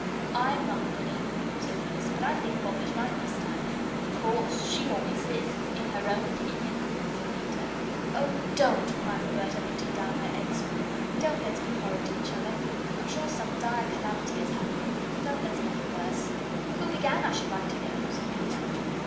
"I'M not goody," said Phyllis, "but I think Bobbie's right this time." "Of course. She always is. In her own opinion," said Peter. "Oh, DON'T!" cried Roberta, putting down her egg spoon; "don't let's be horrid to each other. I'm sure some dire calamity is happening. Don't let's make it worse!" "Who began, I should like to know?" said Peter.